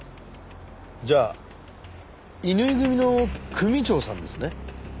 じゃあ伊縫組の組長さんですね。